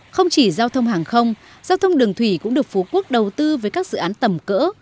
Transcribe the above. không chỉ giao thông hàng không giao thông đường thủy cũng được phú quốc đầu tư với các dự án tầm cỡ